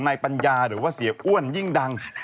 ปัญญาหรือว่าเสียอ้วนยิ่งดัง